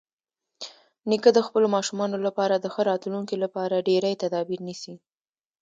نیکه د خپلو ماشومانو لپاره د ښه راتلونکي لپاره ډېری تدابیر نیسي.